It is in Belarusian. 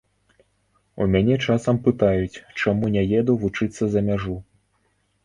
У мяне часам пытаюць, чаму не еду вучыцца за мяжу?